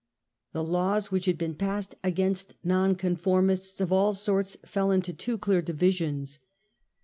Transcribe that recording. The laws which had been passed against Nonconformists of all sorts fall into two clear divisions.